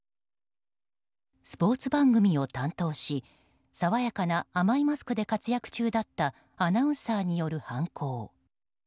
スポーツ番組を担当し爽やかな甘いマスクで活躍中だったアナウンサーによる犯行。